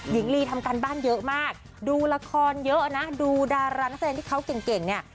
หญิงลีทำการบ้านเยอะมากดูละครเยอะนะดูดารานักแสดงที่เขาเก่งเนี่ย